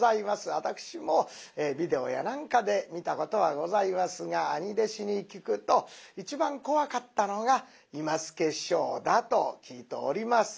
私もビデオや何かで見たことはございますが兄弟子に聞くと一番怖かったのが今輔師匠だと聞いております。